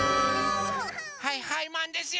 はいはいマンですよ！